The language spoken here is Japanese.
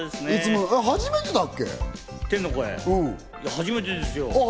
初めてですよ。